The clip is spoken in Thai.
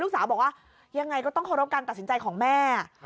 สาวบอกว่ายังไงก็ต้องเคารพการตัดสินใจของแม่